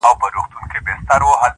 ښکلی تخلیق د محبت دی حسن